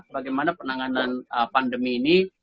bagaimana penanganan pandemi ini